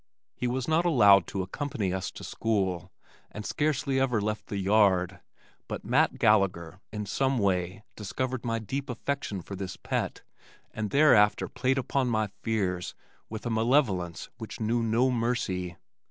He was not allowed to accompany us to school and scarcely ever left the yard, but Matt Gallagher in some way discovered my deep affection for this pet and thereafter played upon my fears with a malevolence which knew no mercy.